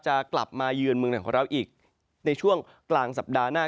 จะกลับมาเยือนเมืองไหนของเราอีกในช่วงกลางสัปดาห์หน้า